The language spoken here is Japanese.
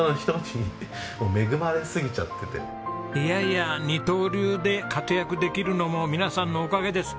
いやいや二刀流で活躍できるのも皆さんのおかげです。